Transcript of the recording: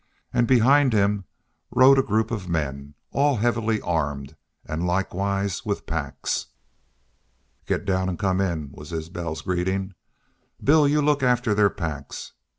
And behind rode a group of men, all heavily armed, and likewise with packs. "Get down an' come in," was Isbel's greeting. "Bill you look after their packs.